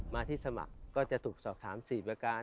มาที่สมัครก็จะถูกสอบถาม๔ประการ